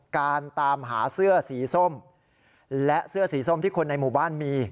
ตามหาเสื้อสีส้มและเสื้อสีส้มที่คนในหมู่บ้านมี